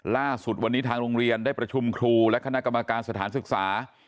ล่าสุดวันนี้ทางโรงเรียนได้ประชุมครูและคณะกรรมการสถานศึกษา